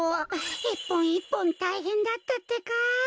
いっぽんいっぽんたいへんだったってか。